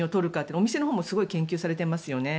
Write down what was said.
お店のほうも勉強されていますよね。